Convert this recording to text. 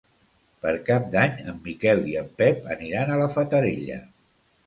Per Cap d'Any en Miquel i en Pep aniran a la Fatarella.